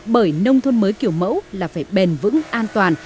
bởi nông thôn mới kiểu mẫu là phải bền vững an toàn